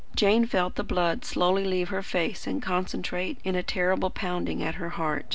Jane felt the blood slowly leave her face and concentrate in a terrible pounding at her heart.